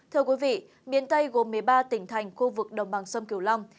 thưa quý vị miền tây gồm một mươi ba tỉnh thành khu vực đồng bằng sông kiều long